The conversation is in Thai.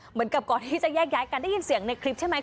เหมือนกับก่อนที่จะแยกย้ายกันได้ยินเสียงในคลิปใช่ไหม